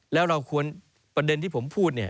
แล้วเราควรประเด็นที่ผมพูดเนี่ย